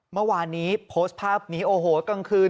เมื่อวานนี้โพสต์ภาพนี้โอ้โหกลางคืน